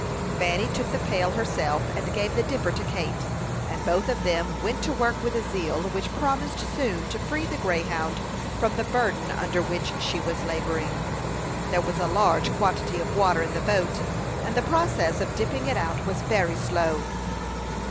Fanny took the pail herself, and gave the dipper to Kate, and both of them went to work with a zeal which promised soon to free the Greyhound from the burden under which she was laboring. There was a large quantity of water in the boat, and the process of dipping it out was very slow.